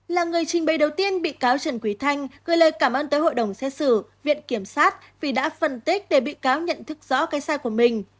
là người trình bày đầu tiên bị cáo trần quý thanh gửi lời cảm ơn tới hội đồng xét xử viện kiểm sát vì đã phân tích để bị cáo nhận thức rõ cái sai của mình